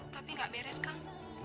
tapi gak beres kang